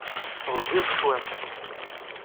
Ɣezzif cwiṭ.